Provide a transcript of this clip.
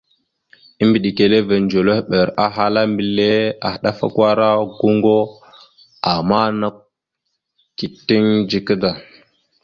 Embədekerrevere ndzelehɓer ahala mbelle: « Adafakwara goŋgo, ama nakw « keeteŋ dzika da. ».